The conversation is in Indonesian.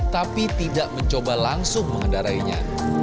tapi tidak mencoba langsung mengendarainya